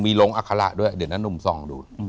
มีลงอัคละด้วยเดี๋ยวอนุมส่องดูอืม